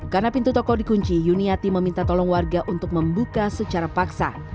karena pintu toko dikunci yuniarti meminta tolong warga untuk membuka secara paksa